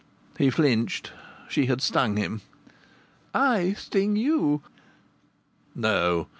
He flinched. She had stung him. "I sting you " No!